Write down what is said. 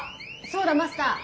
そうだマスター。